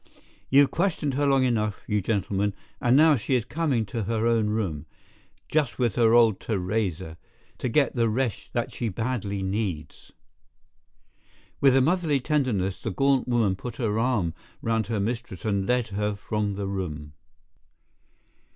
You've questioned her long enough, you gentlemen, and now she is coming to her own room, just with her old Theresa, to get the rest that she badly needs." With a motherly tenderness the gaunt woman put her arm round her mistress and led her from the room.